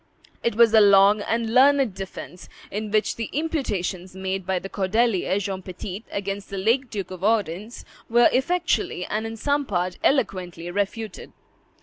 It was a long and learned defence, in which the imputations made by the cordelier, John Petit, against the late Duke of Orleans, were effectually and in some parts eloquently refuted.